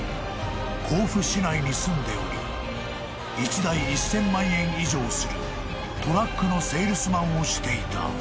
［甲府市内に住んでおり１台１，０００万円以上するトラックのセールスマンをしていた］